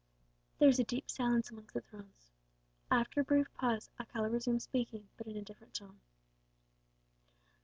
There was a deep silence amongst the throng. After a brief pause, Alcala resumed speaking, but in a different tone.